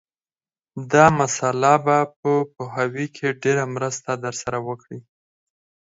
دا مسأله به په پوهاوي کې ډېره مرسته در سره وکړي